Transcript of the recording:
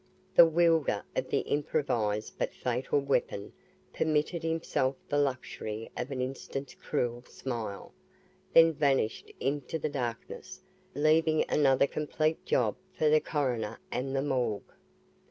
The wielder of the improvised but fatal weapon permitted himself the luxury of an instant's cruel smile then vanished into the darkness leaving another complete job for the coroner and the morgue.